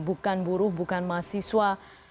bukan buruh bukan mahasiswa